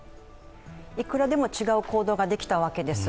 いくらでも違う行動ができたわけです。